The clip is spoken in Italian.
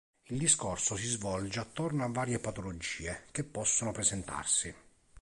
Il discorso si svolge attorno a varie patologie che possono presentarsi.